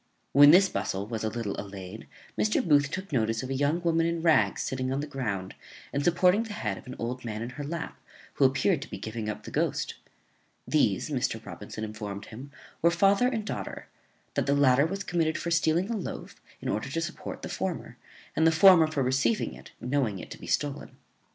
When this bustle was a little allayed, Mr. Booth took notice of a young woman in rags sitting on the ground, and supporting the head of an old man in her lap, who appeared to be giving up the ghost. These, Mr. Robinson informed him, were father and daughter; that the latter was committed for stealing a loaf, in order to support the former, and the former for receiving it, knowing it to be stolen.